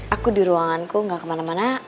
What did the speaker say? aku di ruanganku gak kemana mana